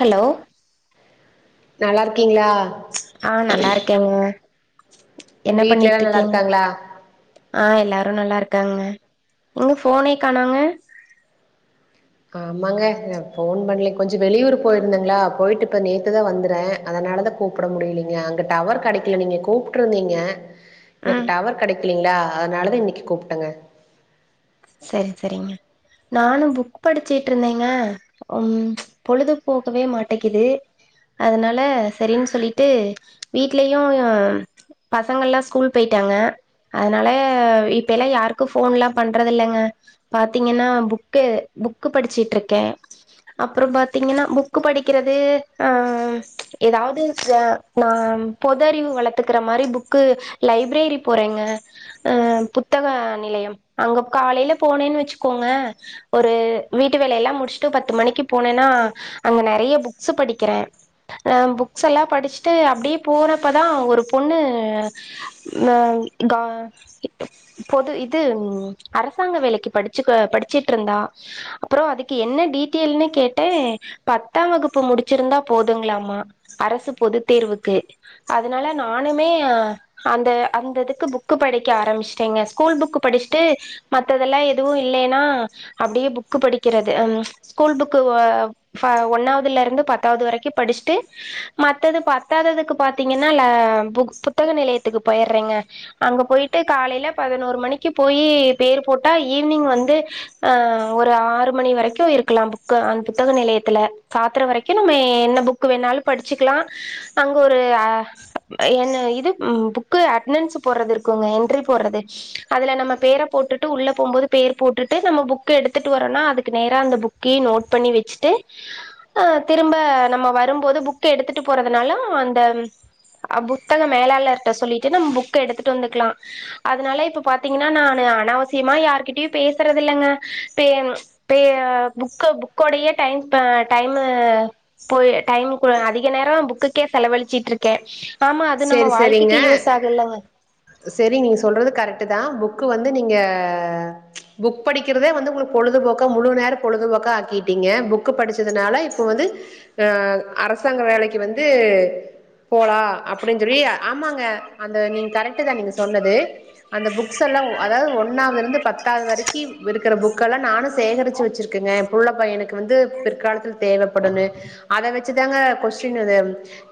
hello நல்லா இருக் ஆஹ் நல்லா இருக்கேங்க என்ன வீட்ல எல்லா நல்லா பண்ணிட்ருக்கீங் இருக்காங்களா ஆஹ் எல்லாரு நல்லா இருக் க்காங்க எங்க போனே கானாங்க ஆமாங்க போன் பண்லே கொஞ்சோ வெளியூர் போயிருந்தீங்களா போயிட்டு இப்ப நேத்துதா வந்துறே அதனாலதா கூப்பிட முடியலீங்க அங்க டவர் கிடைக்கல நீங்க கூப்ட்டுருந்தீங்க எனக்கு ம் டவர் கெடைக் கிங்களா அதனாலதா இன்னைக்கு கூப்ட்டேங்க சரி சரிங்க நானு புக் படிச்சுட்ருந்தேங்க உம் பொழுது போகவே மாட்டேக்குது அதனால சரின் சொல்லிட்டு வீட்லயு பசங்கள்லா ஸ்கூல் போயிட்டாங்க அதனால இப்ப எல்லா யாருக்கு போன்ல்லா பண் ன்றதில்லைங்க பாத்தீங்கன்னா புக்கு புக்கு படிச்சட்ருக்கே அப்புறம் பாத்தீங்கன்னா புக்கு படிக்கிறது அ ஏதாவது அ ந பொது அறிவு வளத்துக்கற மாரி புக்கு லைப்ரரி போறேங்க அ புத்தக நிலையம் அங்க காலையில போனேன் வச்சுக்கோங்க ஒரு வீட்டு வேலையெல்லா முடிச்சுட்டு பத்து மணிக்கு போனேன்னா அங்க நெறைய புக்ஸ் படிக்கிறே அ புக்ஸ் எல்லா படிச்சுட்டு அப்டியே போறப்பதா ஒரு பொண்ணு அ ப பொது இது அரசாங்க வேலைக்கு படிச்சுக்க படிச்சுட்டு இருந்தா அப்புறோ அதுக்கு என்ன டீட்டைல்ன்னு கேட்டே பத்தாம் வகுப்பு முடிச்சிருந்தா போதுங்களாமா அரசு பொதுத் தேர்வுக்கு அதனால நானுமே அந்த அந்ததுக்கு புக்கு படிக்க ஆரம்பிச்சட்டேங்க ஸ்கூல் புக்கு படிச்சுட்டு மத்ததெல்லா எதுவு இல்லைன்னா அப்படியே புக்கு படிக்கிறது அம் ஸ்கூல் புக்கு அ ஒன்னாவதுல இருந்து பத்தாவது வரைக்கு படிச்சுட்டு மத்தது பத்தாவதுக்கு பாத்தீங்கன்னா அ புக் புத்தக நிலையத்துக்கு போயிறேங்க அங்க போயிட்டு காலையில பதினோரு மணிக்கு போயி பேர் போட்டா ஈவினிங் வந்து அ ஒரு ஆறு மணி வரைக்கு இருக்கலா புக் அ அந்த புத்தக நிலையத்துல சாத்திர வரைக்கு நம்ம என்ன புக்கு வேணாலு படிச்சுக்கலா அங்க ஒரு அ என் இது புக்கு அட்டனன்ஸ் போறது இருக்குங்க என்ட்ரி போடுறது அதுல நம்ம பேர போட் ட்டுட்டு உள்ள போகும்போது பெயர் போட்டுட்டு நம்ம புக்க எடுத்துட்டு வறோனா அதுக்கு நேரா அந்த புக்கயு நோட் பண்ணி வச்சுட்டு அ திரும்ப நம்ம வரும்போது புக்க எடுத்துட்டு போறதுனால அந்த புத்தக மேலாளர்ட்ட சொல்லிட்டு புக்க எடுத்துட்டு வந்துக்கலா அதனால இப்ப பாத்தீங்கன்னா நானு அனாவசி சியமா யாருகிட்டயு பேசுறது இல்லைங்க பே பே புக் புக்கோடையே டைம் அ டைமு போய் டைம் அதிக நேரம் புக்குக்கே செலவழிச்சுட்டு இருக்கே ஆமா அது நம்ம சரி சரிங்க வாழ்க்கைக்கு யூஸ் ஆகுல்லங்க சரி நீங்க சொல்றது கரெக்ட் ட்டு தா புக்கு வந்து நீங்க புக் படிக்கிறதே வந்து உங்களுக்கு பொழுது போக்கா முழுநேர பொழுதுபோக்கா ஆக்கிட்டிங்க புக்கு படிச்சதுனால இப்ப வந்து அ அரசாங்க வேலைக்கி வந்து போலா அப் அப்டினு சொல்லி ஆமாங்க அந்த கரெட்டு தா நீங்க சொன்னது அந்த புக்ஸ் எல்லா அதாவது ஒன்னாவதுல இருந்து பத்தாவது வரைக்கு இருக்குற புக்கு எல்லா நானு சேகரிச்சு வச்சிருக்கேங்க இப்ப உள்ள பையனுக்கு வந்து பிற்காலத்துல தேவைப்படுண அதை வச்சு இதாங்க கொஸ்டின் அது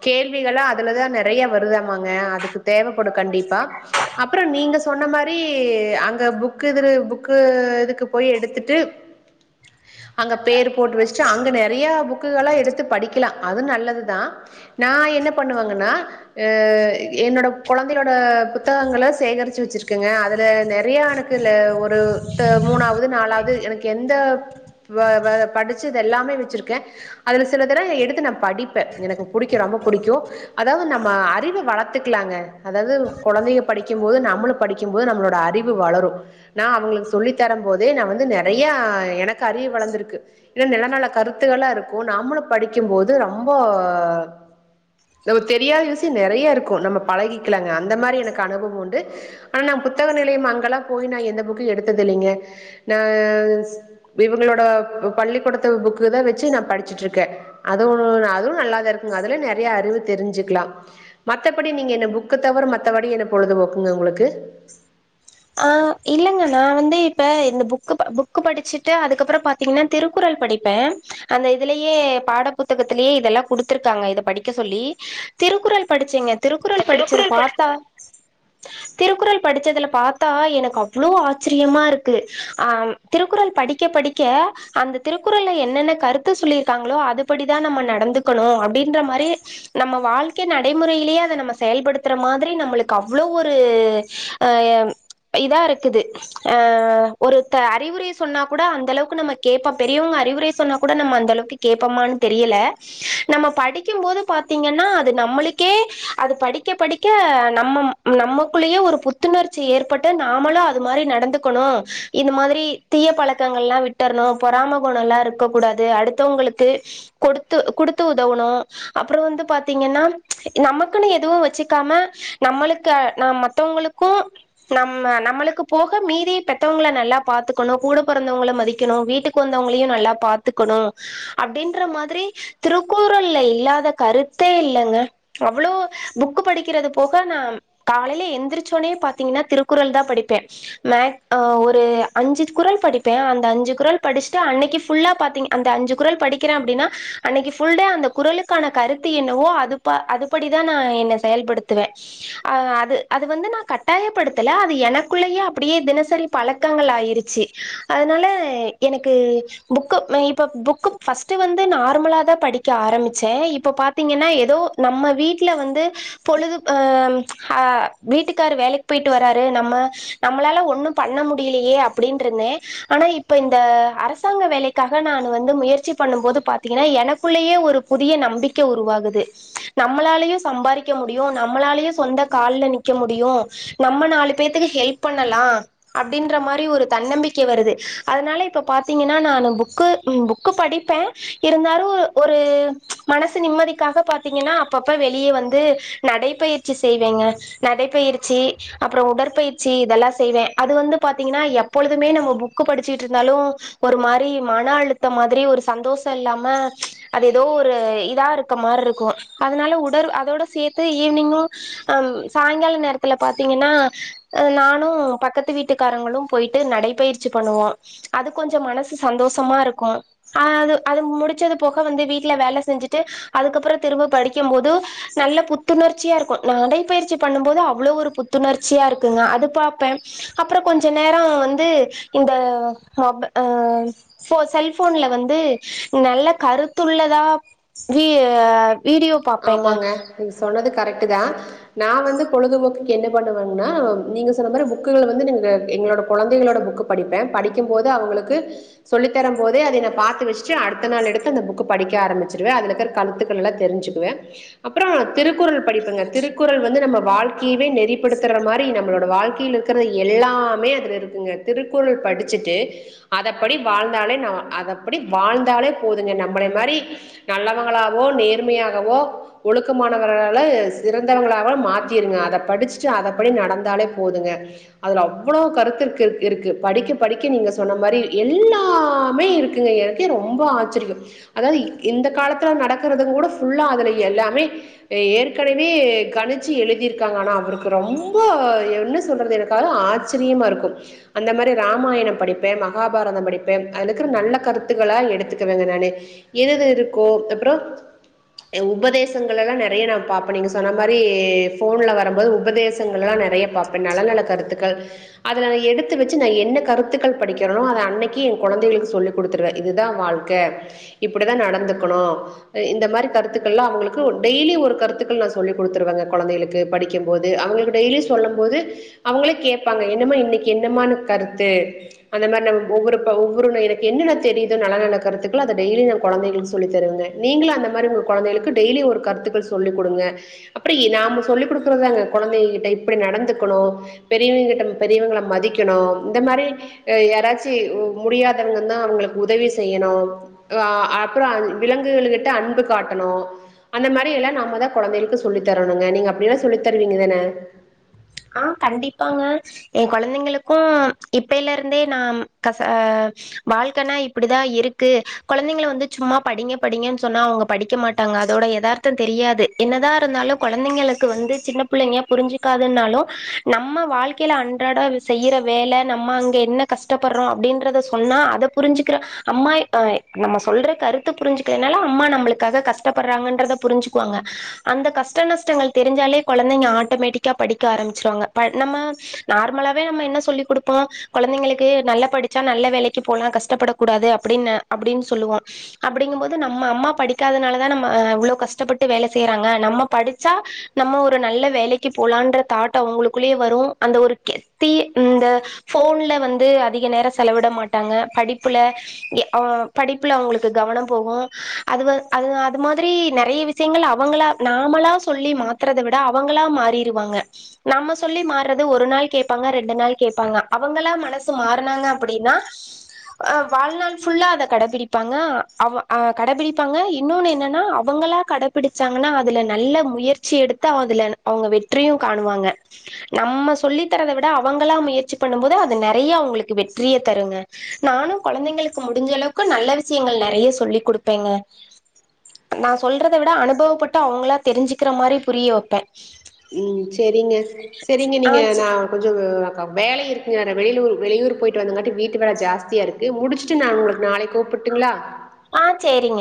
கேள்விகளெல்லாம் அதுலதாங்க நிறைய வருதாமாங்க அதுக்கு தேவைப்படும் கண்டிப்பா அப்புறம் நீங்க சொன்ன மாதிரி அங்க புக் இது புக்கு இதுக்கு போய் எடுத்துட்டு அங்க பேர் போட்டு வச்சுட்டு அங்க நிறைய புக் புக்குககெல்லாம் எடுத்து படிக்கலாம் அது நல்லதுதான் நான் என்ன பண்ணுவேங்கன்னா அஹ் என்னோட குழந்தையோட புத்தகங்கள சேகரிச்சு வச்சிருக்கங்க அதுல நிறைய எனக்குல ஒரு மூணாவது நாலாவது எனக்கு எந்த வெவேபடிச்ச படிச்சதெல்லாமே வச்சிருக்கேன் அதுல சிலத எடுத்து நான் படிப்பேன் எனக்கு பிடிக்கும் ரொம்ப பிடிக்கும் அதாவது ந நம்ம அறிவை வளர்த்துக்கலாங்க அதாவது குழந்தைங்க படிக்கும்போது நம்மளும் படிக்கும்போது நம்மளோட அறிவு வளரும் நான் அவங்களுக்கு சொல்லி தரும் போதே நான் வந்து நிறைய எனக்கு அறிவு வளர்ந்திருக்கு ஏன் சில நல்ல கருத்துக்களும் இருக்கும் நம்மளும் படிக்கும்போது ரொம்ப பிரியாரிட்டி நிறைய இருக்கும் நம்ம பழகிக்கலாங்க அந்த மாதிரி எனக்கு அனுபவம் உண்டு ஆனா புத்தக நிலையம் அங்கெலாம் போய் நா எந்த புக்கு எடுத்ததில்லைங்க இவங்களோட பள்ளிக்கூடத்த புக்குதான் வச்சு நான் படிச்சட்டு இருக்கேன் அதுவும் நல்லா தான் இருக்கும் அதுல நிறைய அறிவு தெரிஞ்சு க்கலாம் மத்தபடி நீங்க என்ன புக்கு தவிர மத்தபடி என்ன பொழுது போக்குங்க உங்களுக்கு ஆஹ் இல்லங்க நான் வந்து இப்ப இந்த புக் புக்கு படிச்சுட்டு அதுக்கப்புறம் பாத்தீங்கன்னா திருக்குறள் படிப்பேன் அந்த இதுலயே பாட புத்தகத்திலேயே இதெல்லாம் குடுத்துருக்காங்க இத படிக்க சொல்லி திருக்குறள் படிச்சேங்க திருக்குறள் படிச்சதை பார்த்தா திருக்குறள் படிச்சதுல பா பாத்தா எனக்கு அவ்வளோ ஆச்சரியமா இருக்கு ஆஹ் திருக்குறள் படிக்க படிக்க அந்த திருக்குறள்ல என்னென்ன கருத்து சொல்லியிருக்காங்களோ அதுபடிதான் நம்ம நடந்துக்கணும் அப்படின்ற மாதிரி நம்ம வாழ்க்கை நடைமுறையிலேயே அதை நம்ம செயல்படுத்துற மாதிரி நம்மளுக்கு அவ்வளவு ஒரு அஹ் இதா இருக்குது அஹ் ஒருத்தர் அறிவுரை சொன்னா கூட அந்த அளவுக்கு நம்ம கேட்போம் பெரியவங்க அறிவுரை சொன்னா கூட நம்ம அந்த அளவுக்கு கேட்போமானு தெரியல நம்ம படிக்கும் போது பார்த்தீங்கன்னா அது நம்மளுக்கே அது படிக்க படிக்க நம்ம நமக்குள்ளேயே ஒரு புத்துணர்ச்சி ஏற்ப பட்டு நாமளும் அது மாதிரி நடந்துக்கணும் இந்த மாதிரி தீய பழக்கங்கள் எல்லாம் விட்டுறணும் பொறாம குணம் எல்லாம் இருக்க கூடாது அடுத்தவங்களுக்கு கொடுத்து கொடுத்து உதவணும் அப்புறம் வந்து பார்த்தீங்கன்னா நமக்குன்னு எதுவும் வச்சுக்காம நம்மளுக்கு ந மத்தவங்களுக்கும் நம்ம நம்மளுக்கு போக மீதி பெத்தவங்கள நல்லா பாத்துக்கனும் கூட பொறந்தவங்கள மதிக்கனும் வீட்டுக்கு வந்தவங்களையும் நல்லா பாத்துக்கனும் அப்பிடின்ற மாதிரி திருக்குறள்ள இல்லாத கருத்தே இல்லங்க அவ்வளோ புக் படிக்கிறது போக நான் காலையில எந்திரிச்சோனே பா ப்பாத்தீங்கனா திருக்குறள் தான் படிப்பேன் மேக் அ ஒரு அஞ்சு குறள் படிப்பேன் அந்த அஞ்சு குறள் படிச்சுட்டு அன்னிக்கு ஃபுல்லா பாத்திங் அந்த அஞ்சு குறள் படிக்கிறேன் அப்பிடின்னா அன்னிக்கு ஃபுல்டே அந்ந குரலுக்கான கருத்து என்னவோ அதுப அதுபடிதான் நா என்ன செயல்படுத்துவேன் அ அது அது வந்து நா க ட்டாயப்படுத்தல அது எனக்குள்ளயே அப்பிடியே தினசரி பழக்கங்கள் ஆயிருச்சி அதனால எனக்கு புக்கு ந இப்ப புக்கு ஃபர்ஸ்ட்டு வந்து நார்மலா தான் படிக்க ஆரம்பிச்சேன் இப்போ பாத்தீங்கன்னா எதோ நம்ம வீட்ல வந்து பொழுது அ வீட்டுக்கார் வேலைக்கு போயிட்டு வராரு நம்ம நம்மளால ஒண்ணும் பண்ண முடியலையே அப்பிடின்னுத்துருந்தேன் ஆனா இப்ப இந்த அரசாங்க வேலைக்காக நான் வந்து முயற்சி பண்ணும் போது பாத்தீங்கன்னா எனக்குள்ளயே ஒரு புதிய நம்பிக்கை உருவாகுது நம்மளாலயும் சம்பாதிக்க முடியும் நம்மளாலயும் சொந்த கால்ல நிக்க முடியும் நம்ம நாலு பேத்துக்கு ஹெல்ப் பண்ணலாம் அப்பிடின்ற மாரி ஒரு தன்னம்பிக்கை வருது அதனால இப்போ பாத்தீங்கன்னா நான் புக்கு புக்கு படிப்பேன் இருந்தாலும் ஒரு மனசு நிம்மதிக்காக பாத்தீங்கன்னா அப்பப்ப வெளியே வந்து நடைப்பயிற்சி செய்வேங்க நடைப்பயிற்சி அப்பறம் உடற்பயிற்சி இதெல்லாம் செய்வேன் அது வந்து பாத்தீங்கன்னா எப்பொழுதுமே நம்ம புக்கு படிச்சுட்டு இருந்தாலும் ஒரு மாரி மன அழுத்த மாதிரி ஒரு சந்தோஷம் இல்லாம அது ஏதோ ஒரு இதா இருக்க மாதிரி இருக்கும் அதனால உட அதோட சேத்து ஈவினிங்கும் ஹம் சாயங்கால நேரத்துல பாத்தீங்கன்னா அ நானு பக்கத்து வீட்டுக்காரங்களும் போயிட்டு நடைபயிற்சி பண்ணுவோ அது கொஞ்ச மனசு சந்தோஷமா இருக்கும் அது அது முடிச்சது போக வந்து வீட்ல வேல செஞ்சுட்டு அதுக்கப்புற திரும்ப படிக்கும் போது நல்ல புத்துணர்ச்சியாருக்கும் நடைபயிற்சி பண்ணும் போது அவ்ளோ ஒரு புத்துணர்ச்சியாருக்குங்க அது பாப்பே அப்புற கொஞ்ச நேரோ வந்து இந்த மொப் அ ஃபோ செல்போன்ல வந்து நல்ல கருத்துள்ளதா வி வீடியோ பாப்பேங்க கரெட்டு தா நா வந்து பொழுதுபோக்குக்கு என்ன பண்ணுவங்கனா நீங்க சொன்ன மாறி புக்குல வந்து எங்களோட கொழந்தைகளோட புக்கு படிப்பே படிக்கும் போது அவுங்களுக்கு சொல்லித்தரம் போதே அதயா நா பாத்து வச்சுட்டு அடுத்த நாள் எடுத்து இந்த புக்க படிக்க ஆரம்பிச்சிருவே அதுலருக்க கருத்துகளலெல்லா தெரிஞ்சு தத்துவமே அப்பறோ திருக்குறள் படிப்பங்க திருக்குறள் வந்து நம்ம வாழ்கையவே நெறிப்படுத்தற மாரி நம்பளோட வாழ்க்கையிலருக்குற எல்லாமே அதுலருக்குங்க திருக்குறள் படிச்சிட்டு அதப்படி வாழ்ந்தாலே நம் அதப்படி வாழ்ந்தாலே போதுங்க நம்மள மாரி நல்லவங்களாவோ நேர்மையாக இந்த ஒ ஒழுக்கமானவர்களால சிறந்தவங்களவோ மாத்திருங்க அத படிச்சுட்டு அத படி நடந்தாலே போதுங்க அதுல அவ்வளோ கருத்து ருக்கு படிக்க படிக்க நீங்க சொன்ன மாரி எல்லாமே இருக்கு எனக்கே ரொம்ப ஆச்சரியம் அதாவது இந்த காலத்துல நடக்கறது கூட ஃபுல்லா அதுல எல்லாமே ஏற்கனவே கணிச்சு எழுதிருக்காங்க ஆனா அவருக்கு ரொம்ப என்ன சொல்லறது எனக்கா ஆச்சரியமா ருக்கும் அந்த மாரி ராமாயணம் படிப்பே மகாபாரதம் படிப்பே அதுல இருக்குற நல்ல கருத்துக்களா எடுத்துக்குவேங்க நானு எழுதியிருக்கோ அப்பறோ ஏ உபதேசங்கலெல்லா நறைய நா பாப்ப நீங்க சொன்ன மாரி போன்ல வரும்போது உபதேசங்களல்லா நறைய பாப்பேன் நல்ல நல்ல கருத்துக்கள் அதுல நா எடுத்து வச்சு நா என்ன கருத்துக்கள் படிக்கிறனோ அத அன்னக்கி என் கொழந்தைகளுக்கு சொல்லி குடுத்துருவே இதுதா வாழ்க்க இப்பிடிதா நடந்துக்கணு இந்த மாரி கருத்துக்கள்லா அவுங்களுக்கு ஓ டெய்லி ஒரு கருத்துக்கள் நா சொல்லி குடுத்துருவங்க கொழந்தைகளுக்கு படிக்கும் போது அவுங்களுக்கு டெய்லியு சொல்லும் போது அவுங்களே கேப்பாங்க என்னம்மா இன்னிக்கு என்ன மாறி கருத்து அந்த மாரி நம் ஒவ்வொரு ப ஒவ்வொரு எனக்கு என்னன்ன தெரியுதோ நல்ல நல்ல கருத்துக்கள அத டெய்லியு நா கொழந்தைகளுக்கு சொல்லி தருவங்க நீங்களு அந்த மாரி கொழந்தைகளுக்கு டெய்லி ஒரு கருத்துக்கள் சொல்லி குடுங்க அப்பிடி நாம சொல்லிக் குடுக்கறதாங்க கொழந்தைகள்ட்ட இப்பிடி நடந்துக்கனும் பெரியவங்க கிட்ட பெரியவங்கள மதிக்கனு இந்த மாறி யாராச்சு முடியாதவங்கன்னா அவுங்களுக்கு உதவி செய்யனு ஆ அப்புற அ விலங்குகள்கிட்ட அன்பு காட்டனு அந்த மாரி எல்லா நம்மதா கொழந்தைகளுக்கு சொல்லித்தரனும்ங்க நீங்க அப்பிடில்லாம் சொல்லி தருவீங்கதான ஆ கண்டிப்பாங்க என் கொழந்தைங்களுக்கும் இப்பயிலருந்தே நா கச வாழ்க்கனா இப்பிடிதா இருக்கு கொழந்தைங்கள வந்து சும்மா படிங்க படிங்கன்னு சொன்னா அவுங்க படிக்க மாட்டாங்க அதோட எதார்த்த தெரியாது என்னதா இருந்தாலும் கொழந்தைங்களுக்கு வந்து சின்ன புள்ளைங்க புரிஞ்சு ருக்காதுனாலு நம்ம வாழ்க்கைல அன்றாட செய்யற வேல நம்ம அங்க என்ன கஷ்டப்படறோம் அப்பிடின்றத சொன்னா அத புரிஞ்சுக்குற அம்மா அ நம்ம சொல்ற கருத்து புரிஞ்சுகனால அம்மா நம்மளுக்காக கஷ்டப்படுறாங்கன்றத புரிஞ்சுக்குவாங்க அந்த கஷ்ட நஷ்டங்கள் தெரிஞ்சாலே கொழந்தைங்க ஆட்டோமேட்டிக் க்கா படிக்க ஆரம்பிச்சிருவாங்க ப நம்ம நார்மலாவே நம்ம என்ன சொல்லி் குடுப்போ கொழந்தைங்களுக்கு நல்லா படிச்சா நல்ல வேலைக்கு போலா கஷ்டப்படக்கூடாது அப்பிடின்னு அப்பிடின்னு சொல்லுவோம் அப்பிடிங்கும்போது நம்ம அம்மா படிக்காதனாலதா நம்ம இ்வ்ளோ கஷ்டப்பட்டு வேல செய்றாங்க நம்ம படிச்சா நம்ம ஒரு நல்ல வேலை க்க போலான்ற தாட்ட அவுங்களுக்குள்ளேயே வரும் அந்த ஒரு கெத்தி இந்த ஃபோன்ல வந்து அதிக நேர செலவிட மாட்டாங்க படிப்புல அவு படிப்புல அவுங்களுக்கு கவனம் போகும் அது வ அது மாரி நறைய விஷயங்கள் அவுங்களா நாமளா சொல்லி மாத்தறத விட அவுங்களா மா த்தேருவாங்க நம்ம சொல்லி மாறது ஒரு நாள் கேப்பாங்க ரெண்டு நாள் கேப்பாங்க அவுங்களா மனசு மாறனாங்க அப்பிடின்னா அ வாழ்நாள் ஃபுல்லா அத கடபிடிப்பாங்க அவு அ கடபிடிப்பாங்க இன்னுன்னு என்னான அவுங்களா கடபிடிச்சாங்கன்னா அதுல நல்ல முயற்சி எடுத்து அதுல அவுங்க வெற் டிரிம் காணுவாங்க நம்ம சொல்லி தறத விட அவங்களா முயற்சி பண்ணும் போது அது நெறைய அவுங்களுக்கு வெற்றிய தருங்க நானு கொழந்தைங்களுக்கு முடிஞ்ச அளவுக்கு நல்ல விஷயங்கள் நெறைய சொல்லி் கொடுப்பேங்க நா சொல்றத விட அனுபவப்பட்டு அவுங்களா தெரிஞ்சுக்கிற மாரி புரிய வப்பே உம் சரிங்க சரிங்க ஆ நீங்க நா கொஞ்ச வேல இருக்குங்க வெளூர் வெளியூர் போயிட்டு வந்தங்காட்டி வீட்டு வேல ஜாஸ்தியா ருக்கு முடிச்சுட்டு நா உங்களுக்கு நாளைக் கூப்பிட்டுங்களா ஆ சேரிங்க